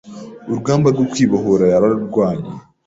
urugamba rwo kwibohora yararurwanye